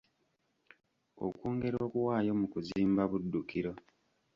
Okwongera okuwaayo mu kuzimba Buddukiro.